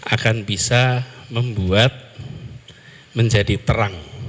akan bisa membuat menjadi terang